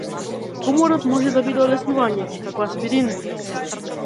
Хуморот може да биде олеснување, како аспирин.